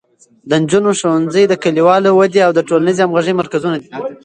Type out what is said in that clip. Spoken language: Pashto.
د نجونو ښوونځي د کلیوالو ودې او د ټولنیزې همغږۍ مرکزونه دي.